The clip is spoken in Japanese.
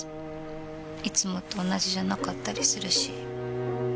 いつもと同じじゃなかったりするし。